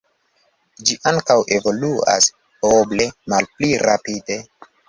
Ĝi ankaŭ evoluas oble malpli rapide.